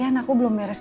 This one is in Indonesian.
kau mungkin rasa